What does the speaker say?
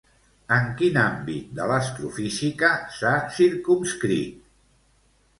En quin àmbit de l'astrofísica s'ha circumscrit?